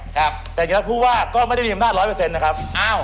แต่จริงแล้วผู้ว่าก็ไม่ได้มีอำนาจร้อยเปอร์เซ็นต์นะครับ